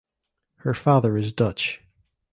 Her father is Dutch.